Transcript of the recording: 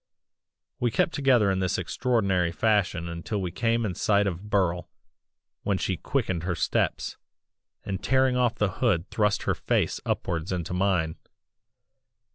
"We kept together in this extraordinary fashion until we came in sight of Burle, when she quickened her steps, and tearing off the hood thrust her face upwards into mine.